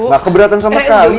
enggak keberatan sama sekali